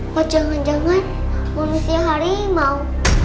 wah jangan jangan manusia harimau